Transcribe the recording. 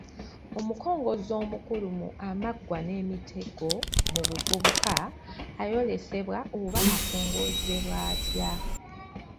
Omukongozzi omukulu mu “Amaggwa n’emitego mu buvubuka” ayolesebwa oba akongozzebwa atya?